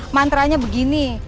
mantra nya begini